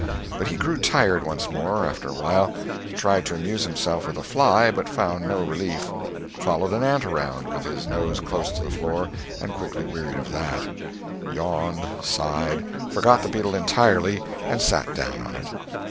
But he grew tired once more, after a while; tried to amuse himself with a fly but found no relief; followed an ant around, with his nose close to the floor, and quickly wearied of that; yawned, sighed, forgot the beetle entirely, and sat down on it.